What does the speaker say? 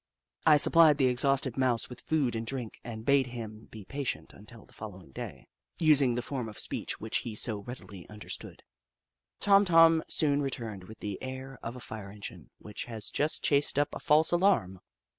I supplied the exhausted Mouse with food and drink, and bade him be patient until the following day, using the form of speech which he so readily understood. Tom Tom soon returned with the air of a fire engine which has just chased up a false alarm.